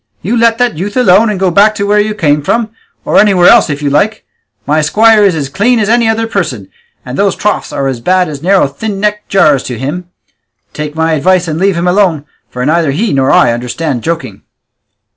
you let that youth alone, and go back to where you came from, or anywhere else if you like; my squire is as clean as any other person, and those troughs are as bad as narrow thin necked jars to him; take my advice and leave him alone, for neither he nor I understand joking."